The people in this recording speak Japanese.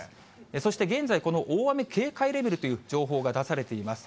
そして現在、この大雨警戒レベルという情報が出されています。